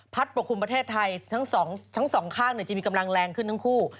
พัฒน์ปกคลุมประเทศไทยทั้งสองทั้งสองข้าวก็จะมีกำลังแรงขึ้นทั้งคู่